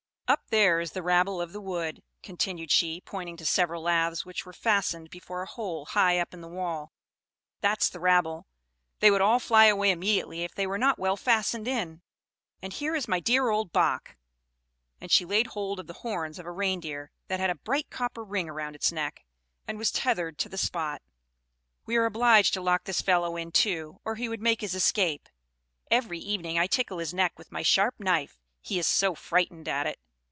"Up there is the rabble of the wood," continued she, pointing to several laths which were fastened before a hole high up in the wall; "that's the rabble; they would all fly away immediately, if they were not well fastened in. And here is my dear old Bac"; and she laid hold of the horns of a reindeer, that had a bright copper ring round its neck, and was tethered to the spot. "We are obliged to lock this fellow in too, or he would make his escape. Every evening I tickle his neck with my sharp knife; he is so frightened at it!"